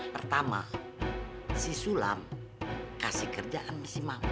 pertama si sulam kasih kerja ambil si mahmud